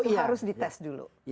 itu harus di tes dulu